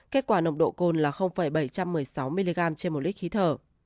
kết quả nồng độ cồn là bảy trăm một mươi sáu mg trên một lít khí thở